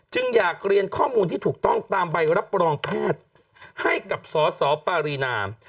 อยากเรียนข้อมูลที่ถูกต้องตามใบรับรองแพทย์ให้กับสสปารีนา